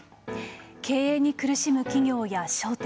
経営に苦しむ企業や商店。